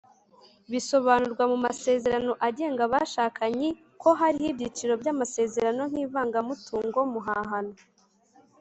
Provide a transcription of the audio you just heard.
bisobanurwa mu masezerano agenga abashakanyi ko harimo ibyiciro bya amasezerano nki ivanga mutungu muhahano